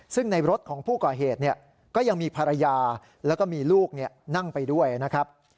ซึ่งในรถของผู้ก่อเหตุก็ยังมีภรรยาแล้วก็มีลูกนั่งไปด้วยนะครับ